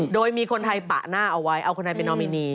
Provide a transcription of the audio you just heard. โดยมีคนไทยปะหน้าเอาไว้เอาคนไทยไปนอมินี